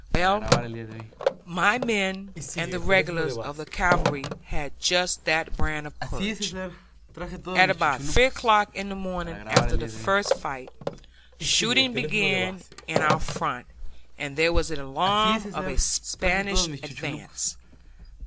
Well, my men and the regulars of the cavalry had just that brand of courage. At about three o'clock on the morning after the first fight, shooting began in our front and there was an alarm of a Spanish advance.